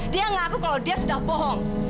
dia ngaku kalau dia sudah bohong